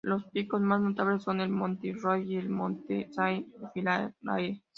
Los picos más notables son el Mont-Royal y el monte Saint-Hilaire.